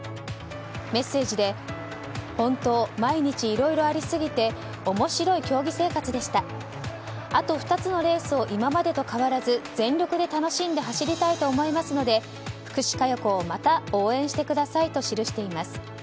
メッセージで本当、毎日いろいろありすぎて面白い競技生活でしたあと２つのレースを今までと変わらず全力で楽しんで走りたいと思いますので福士加代子を応援してくださいと記しています。